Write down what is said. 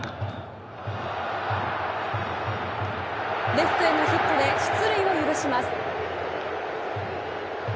レフトへのヒットで出塁を許します。